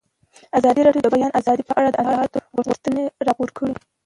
ازادي راډیو د د بیان آزادي په اړه د اصلاحاتو غوښتنې راپور کړې.